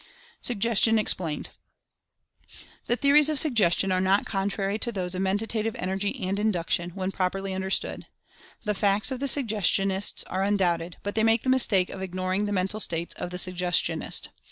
SUGGESTION EXPLAINED. The theories of " Suggestion" are not contrary to those of Mentative Energy and Induction, when prop erly understood. The facts of the Suggestionists are undoubted, but they make the mistake of ignoring the Mental States of the Suggestionist.